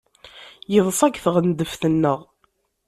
Yeḍsa deg tɣendeft-nneɣ.